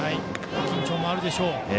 緊張もあるでしょう。